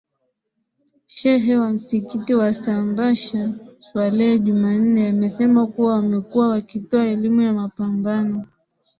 Shehe wa msikiti wa Sambasha Swalehe Jumanne amesema kuwa wamekuwa wakitoa elimu ya mapambano